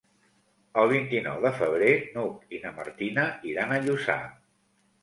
El vint-i-nou de febrer n'Hug i na Martina iran a Lluçà.